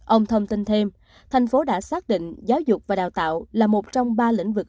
ông thông tin thêm thành phố đã xác định giáo dục và đào tạo là một trong ba lĩnh vực